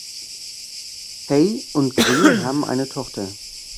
Hay und Green haben eine Tochter.